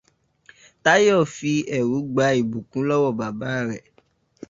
Táyọ̀ fi ẹ̀rú gba ìbùkún lọ́wọ́ bàbá rẹ̀.